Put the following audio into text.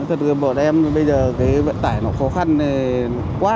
thật ra bọn em bây giờ cái vận tải nó khó khăn quá